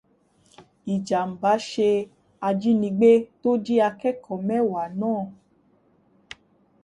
Ìjàmbá ṣé ajínigbé tó jí akẹ́kọ̀ọ́ mẹ́ẹ̀wá náà.